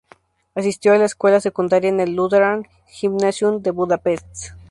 Asistió a la escuela secundaria en el Lutheran Gymnasium de Budapest.